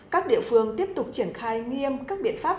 các địa phương tiếp tục triển khai nghiêm các biện pháp